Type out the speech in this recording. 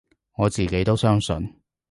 我自己都相信